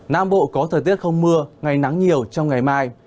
nam bộ có thời tiết không mưa ngày nắng nhiều trong ngày mai